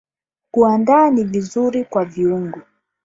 Kuanda ni vizuri kwa viungo.